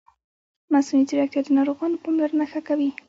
مصنوعي ځیرکتیا د ناروغانو پاملرنه ښه کوي.